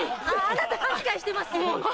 あなた勘違いしてます！